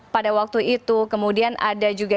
pada waktu itu kemudian ada juga